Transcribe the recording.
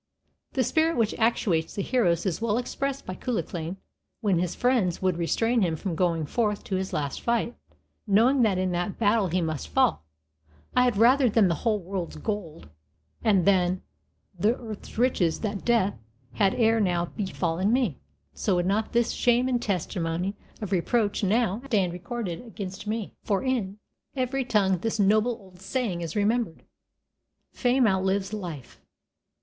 The spirit which actuates the heroes is well expressed by Cuchulainn when his friends would restrain him from going forth to his last fight, knowing that in that battle he must fall: "I had rather than the whole world's gold and than the earth's riches that death had ere now befallen me, so would not this shame and testimony of reproach now stand recorded against me; for in every tongue this noble old saying is remembered, 'Fame outlives life.'"